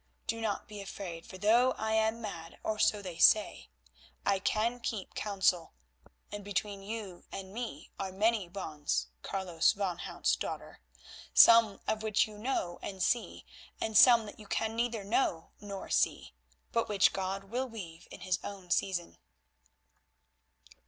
Do not be afraid, for though I am mad, or so they say, I can keep counsel, and between you and me are many bonds, Carolus van Hout's daughter, some of which you know and see, and some that you can neither know nor see, but which God will weave in His own season."